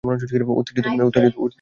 উত্তেজিত হোস না, আসছি।